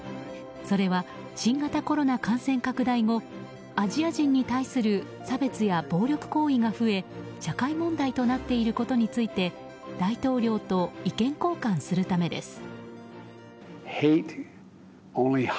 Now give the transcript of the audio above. それは新型コロナ感染拡大後アジア人に対する差別や暴力行為が増え社会問題となっていることについて大統領と意見交換するためです。